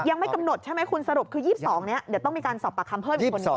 ยังไม่กำหนดใช่ไหมคุณสรุปคือ๒๒นี้เดี๋ยวต้องมีการสอบปากคำเพิ่มอีกคนนึง